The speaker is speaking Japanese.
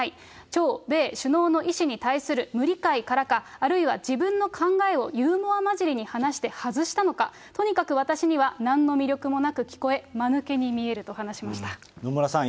朝米首脳の意思に対する無理解からか、あるいは自分の考えをユーモア交じりに話して外したのか、とにかく私にはなんの魅力もなく聞こえ、野村さん、